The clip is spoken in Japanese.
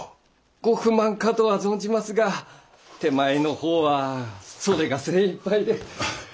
ご不満かとは存じますが手前のほうはそれが精一杯で。